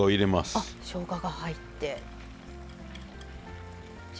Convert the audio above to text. あしょうがが入って。